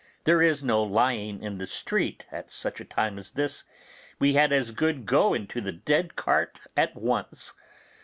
There is no lying in the street at such a time as this; we had as good go into the dead cart at once.